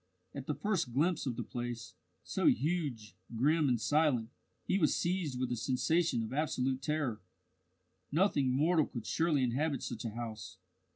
At the first glimpse of the place, so huge, grim, and silent, he was seized with a sensation of absolute terror. Nothing mortal could surely inhabit such a house.